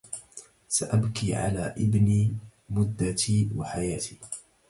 سأبكي على ابني مدتي وحياتي